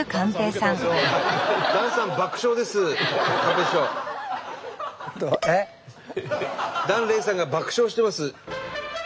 檀れいさんが爆笑してます。